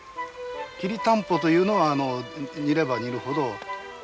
きりたんぽというのは煮れば煮るほど。